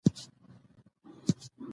موږ باید یو بل ته غوږ ونیسو